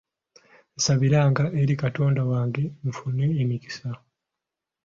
Nsabiranga eri Katonda wange nfune emikisa.